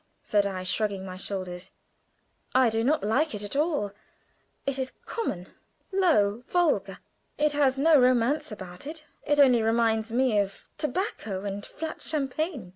said I, shrugging my shoulders. "I do not like it at all; it is common, low, vulgar. There is no romance about it; it only reminds one of stale tobacco and flat champagne."